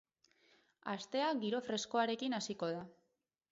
Astea giro freskoarekin hasiko da.